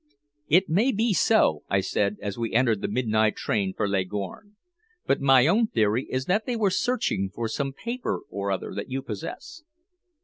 "It may be so," I said, as we entered the midnight train for Leghorn. "But my own theory is that they were searching for some paper or other that you possess."